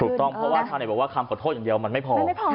ถูกต้องเพราะว่าชาวเน็ตบอกว่าคำขอโทษอย่างเดียวมันไม่พอ